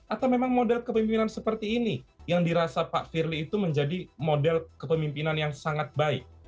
atau memang model kepemimpinan seperti ini yang dirasa pak firly itu menjadi model kepemimpinan yang sangat baik